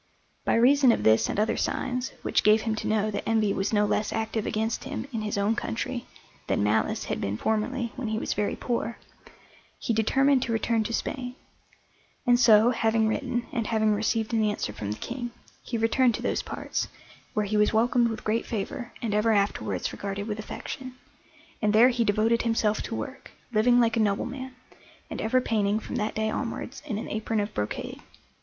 By reason of this and other signs, which gave him to know that envy was no less active against him in his own country than malice had been formerly when he was very poor, he determined to return to Spain; and so, having written, and having received an answer from the King, he returned to those parts, where he was welcomed with great favour and ever afterwards regarded with affection, and there he devoted himself to work, living like a nobleman, and ever painting from that day onwards in an apron of brocade.